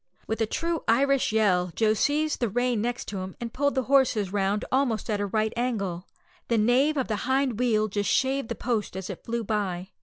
With a truly Irish yell Joe seized the rein next him, and pulled the horses round almost at a right angle. The nave of the hind wheel just shaved the post as it flew by.